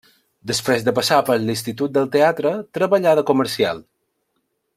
Després de passar per l'Institut del Teatre treballà de comercial.